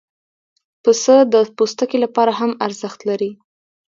پسه د پوستکي لپاره هم ارزښت لري.